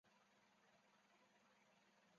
塞拉利昂总统以经修改的两轮投票制选出。